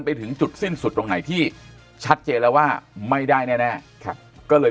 ไปถึงจุดสิ้นสุดตรงไหนที่ชัดเจนแล้วว่าไม่ได้แน่ก็เลย